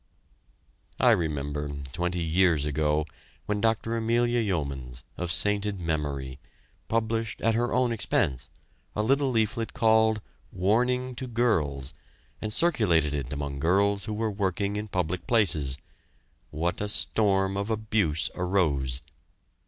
I remember, twenty years ago, when Dr. Amelia Yeomans, of sainted memory, published at her own expense, a little leaflet called "Warning to Girls" and circulated it among girls who were working in public places, what a storm of abuse arose.